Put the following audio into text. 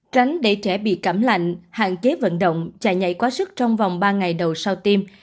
tránh để trẻ bị cảm lạnh hạn chế vận động chạy nhảy quá sức trong vòng ba ngày đầu sau tiêm